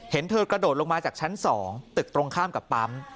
เห็นเธอกระโดดลงมาจากชั้น๒ตึกตรงข้ามกับปั๊ม